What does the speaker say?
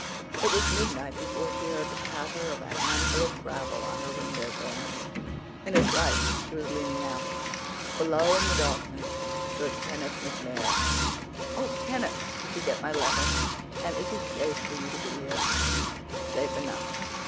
It was midnight before she heard the patter of a handful of gravel on her window panes. In a trice she was leaning out. Below in the darkness stood Kenneth MacNair. "'Oh, Kenneth, did you get my letter? And is it safe for you to be here?' "'Safe enough.